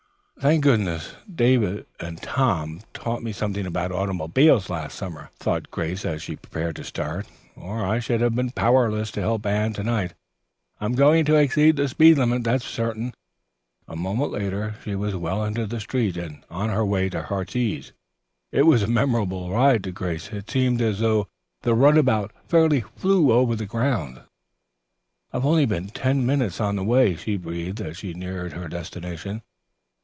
"Thank goodness, David and Tom taught me something about automobiles last summer," thought Grace as she prepared to start, "or I should have been powerless to help Anne to night. I am going to exceed the speed limit, that's certain." A moment later she was well into the street and on her way to "Heartsease." It was a memorable ride to Grace. It seemed as though the runabout fairly flew over the ground. "I've only been ten minutes on the way," she breathed as she neared her destination.